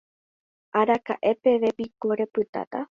Araka'e peve piko repytáta.